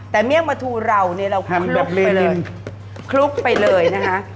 แต่เมี่ยงปลาทูเราเนี่ยเราคลุกไปเลยคลุกไปเลยนะคะ